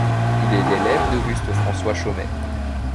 Il est l'élève d'Auguste-François Chomel.